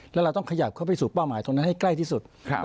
แล้วเราต้องขยับเข้าไปสู่เป้าหมายตรงนั้นให้ใกล้ที่สุด